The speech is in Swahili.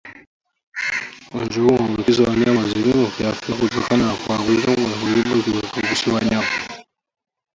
Ugonjwa huu huambukiza wanyama wazima kiafya kutoka kwa wanyama wagonjwa kupitia kwa kugusana Wanyama